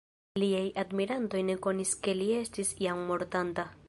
Liaj admirantoj ne konis ke li estis jam mortanta.